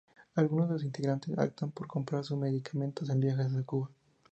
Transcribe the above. Algunos de los inmigrantes, optan por comprar sus medicamentos en viajes a Cuba.